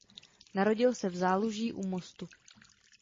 Narodil se v Záluží u Mostu.